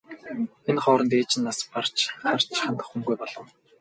Энэ хооронд ээж нь нас барж харж хандах хүнгүй болов.